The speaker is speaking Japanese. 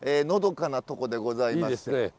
のどかなとこでございますね。